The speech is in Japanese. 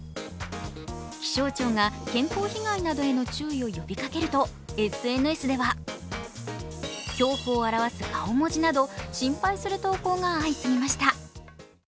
気象庁が健康被害などへの注意を呼びかけると、ＳＮＳでは恐怖を表す顔文字など心配する投稿が相次ぎました。